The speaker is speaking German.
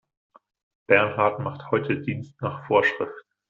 Bernhard macht heute Dienst nach Vorschrift.